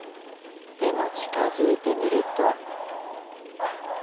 でも近づいてみると。